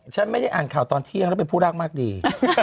ฉันไม่ได้อ่านข่าวตอนเที่ยงแล้วเป็นผู้รากมากดี